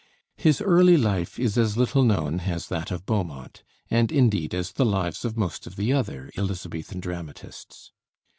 His early life is as little known as that of Beaumont, and indeed as the lives of most of the other Elizabethan dramatists.